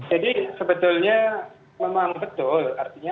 jadi sebetulnya memang betul artinya apapun variannya